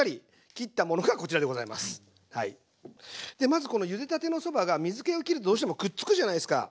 まずこのゆでたてのそばが水けをきるとどうしてもくっつくじゃないですか。